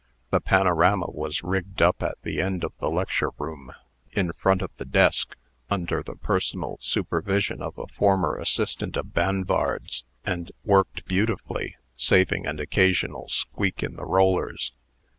The panorama was rigged up at the end of the lecture room, in front of the desk, under the personal supervision of a former assistant of Banvard's, and worked beautifully, saving an occasional squeak in the rollers.